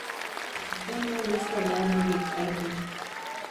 Hemen ez da deabrurik aipu.